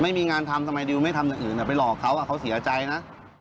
ไม่มีงานทำทำไมดิวไม่ทำอย่างอื่นไปหลอกเขาเขาเสียใจนะ